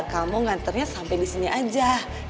kamu nganternya sampai disini aja